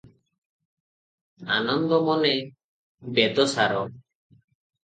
ଆନନ୍ଦମନେ ବେଦସାର ।